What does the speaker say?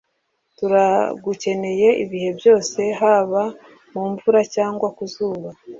turagukeneye ibihe byose haba mumvura cyangwa ku zuba